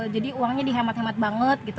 uangnya dihemat hemat banget gitu